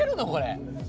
これ。